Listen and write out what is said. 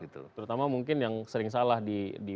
terutama mungkin yang sering salah di